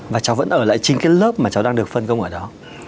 và cháu vẫn ở lại chính cái lớp mà cháu đang được phân công ở đó